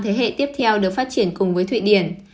thế hệ tiếp theo được phát triển cùng với thụy điển